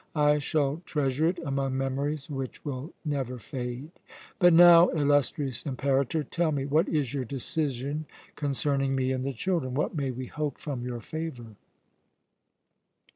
I shall treasure it among memories which will never fade. But now, illustrious Imperator! tell me, what is your decision concerning me and the children? What may we hope from your favour?"